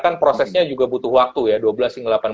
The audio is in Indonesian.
kan prosesnya juga butuh waktu ya dua belas hingga